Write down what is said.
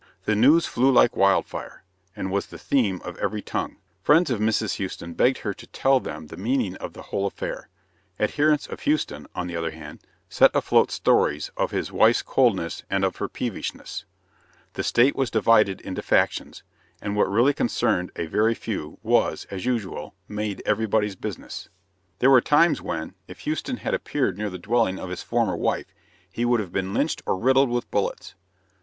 The news flew like wildfire, and was the theme of every tongue. Friends of Mrs. Houston begged her to tell them the meaning of the whole affair. Adherents of Houston, on the other hand, set afloat stories of his wife's coldness and of her peevishness. The state was divided into factions; and what really concerned a very few was, as usual, made everybody's business. There were times when, if Houston had appeared near the dwelling of his former wife, he would have been lynched or riddled with bullets.